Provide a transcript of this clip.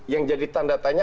yang jadi tanda tanya